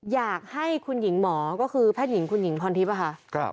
อยากให้คุณหญิงหมอก็คือแพทย์หญิงคุณหญิงพรทิพย์ค่ะ